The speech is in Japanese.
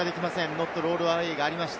ノットロールアウェイがありました。